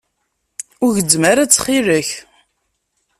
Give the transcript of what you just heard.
Ur gezzem ara, ttxil-k.